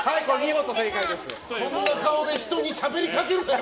そんな顔で人にしゃべりかけるなよ。